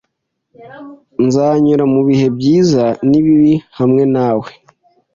Nzanyura mubihe byiza n'ibibi hamwe nawe